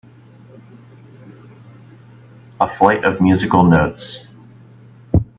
A flight of musical notes